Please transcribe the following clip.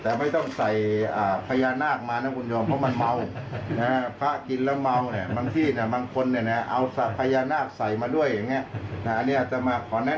เอาพญานาคใส่มาด้วยอย่างนี้อันนี้อาจจะมาขอแนะนำนะครับ